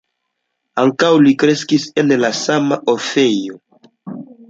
Ankaŭ li kreskis en la sama orfejo.